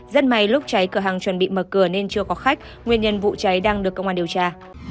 rất may lúc cháy cửa hàng chuẩn bị mở cửa nên chưa có khách nguyên nhân vụ cháy đang được công an điều tra